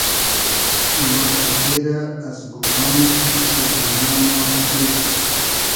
ما رۂ تېرۂ از گومان و فیکری دونیا ما رۂ تېر